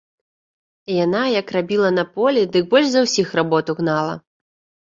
Яна, як рабіла на полі, дык больш за ўсіх работу гнала.